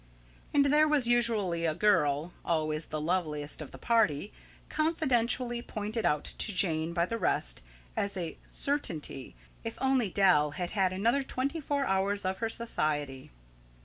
And there was usually a girl always the loveliest of the party confidentially pointed out to Jane, by the rest, as a certainty, if only Dal had had another twenty four hours of her society.